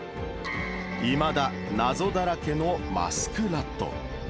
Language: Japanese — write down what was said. いまだ謎だらけのマスクラット。